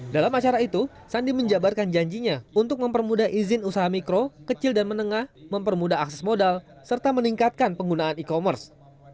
dalam acara itu sandi menjabarkan janjinya untuk mempermudah izin usaha mikro kecil dan menengah mempermudah akses modal serta meningkatkan penggunaan e commerce